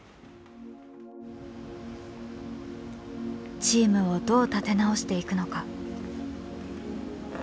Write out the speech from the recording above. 「チームをどう立て直していくのか？」。